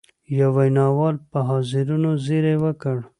یوه ویناوال پر حاضرینو زېری وکړ.